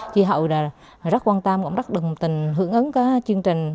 chị hậu rất quan tâm cũng rất đồng tình hướng ứng các chương trình